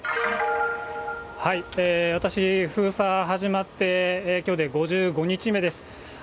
私、封鎖始まってきょうで５５日目です。